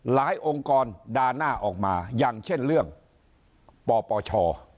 องค์กรด่าหน้าออกมาอย่างเช่นเรื่องปปช